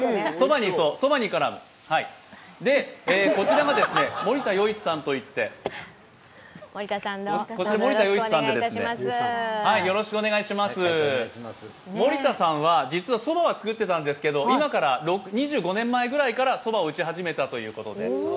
こちらが森田與一さんといって、森田さんは実はそばは作っていたんですけど、今から２５年前ぐらいからそばを打ち始めたということです。